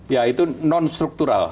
ya itu non struktural